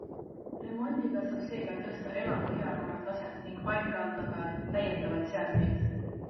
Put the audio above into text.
Remondiga saab seega tõsta elamu heakorra taset ning paigaldada täiendavaid seadmeid.